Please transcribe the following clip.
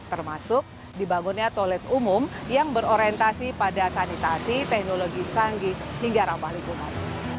termasuk dibangunnya toilet umum yang berorientasi pada sanitasi teknologi canggih hingga ramah lingkungan